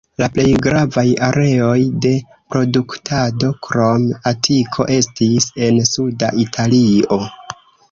La plej gravaj areoj de produktado, krom Atiko, estis en Suda Italio.